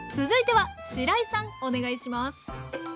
続いてはしらいさんお願いします。